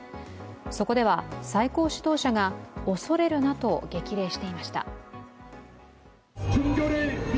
そこでは最高指導者が恐れるなと激励していました。